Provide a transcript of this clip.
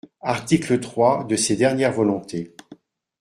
Article trois de ses dernières volontés.